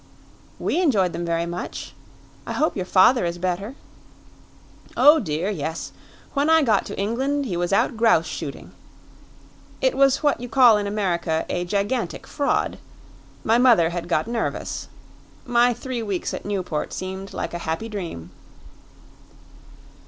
"We enjoyed them very much; I hope your father is better." "Oh, dear, yes. When I got to England, he was out grouse shooting. It was what you call in America a gigantic fraud. My mother had got nervous. My three weeks at Newport seemed like a happy dream."